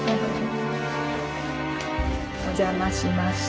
お邪魔しました。